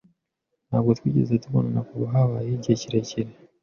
"Ntabwo twigeze tubonana kuva ." "Habaye igihe kirekire?"